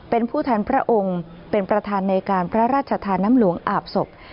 เป็นผู้แทนพระองค์เป็นประธานในการพระราชทานน้ำหลวงอาบศพ